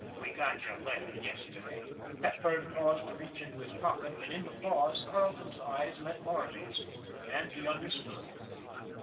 We got your letter yesterday." Hepburn paused to reach into his pocket, and in the pause Carleton's eyes met Marley's and he under stood.